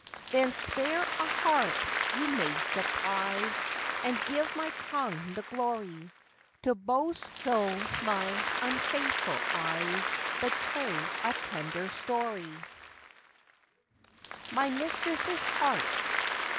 Then spare a heart you may surprise, And give my tongue the glory To boast, though my unfaithful eyes Betray a tender story.